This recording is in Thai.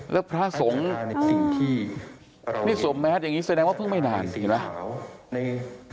แล้วพระทรงนี่สวมแมทย์อย่างนี้แสดงว่าเพิ่งไม่นานเห็นไหมครับ